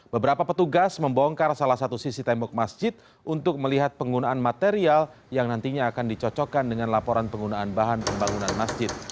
beberapa petugas membongkar salah satu sisi tembok masjid untuk melihat penggunaan material yang nantinya akan dicocokkan dengan laporan penggunaan bahan pembangunan masjid